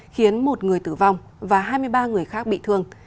khiến một người tử vong và hai mươi ba người khác bị thương